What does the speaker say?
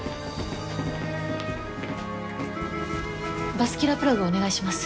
バスキュラープラグをお願いします。